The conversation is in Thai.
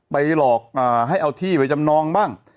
หลอกให้เอาที่ไปจำนองบ้าง